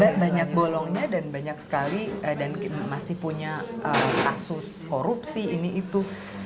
ada banyak bolongnya dan banyak sekali dan masih punya kasus korupsi ini itu